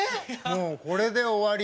もうこれで終わり。